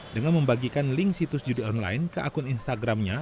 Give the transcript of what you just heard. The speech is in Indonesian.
dengan membagikan link situs judi online ke akun instagramnya